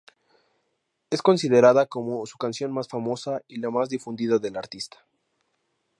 Es considerada como su canción más famosa y la más difundida del artista.